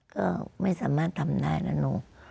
ก็ไม่สามารถทำได้นะนุ